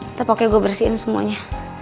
ntar pakai gue bersihin semuanya